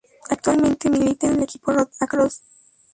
Actualmente milita en el equipo Roth-Akros.